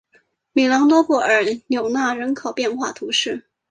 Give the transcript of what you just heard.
米朗多布尔纽纳人口变化图示